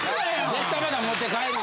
絶対また持って帰る。